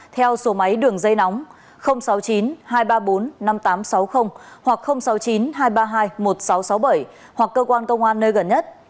theo số máy đường dây nóng sáu mươi chín hai trăm ba mươi bốn năm nghìn tám trăm sáu mươi hoặc sáu mươi chín hai trăm ba mươi hai một nghìn sáu trăm sáu mươi bảy hoặc cơ quan công an nơi gần nhất